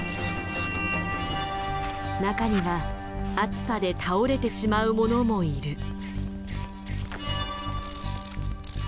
中には暑さで倒れてしまうものもいる。